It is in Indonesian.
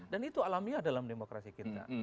dan itu alamiah dalam demokrasi kita